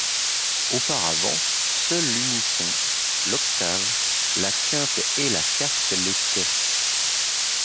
Auparavant, seuls l'unisson, l'octave, la quinte et la quarte l'étaient.